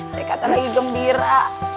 saya kata lagi gembira